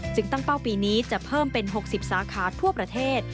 ตั้งเป้าปีนี้จะเพิ่มเป็น๖๐สาขาทั่วประเทศ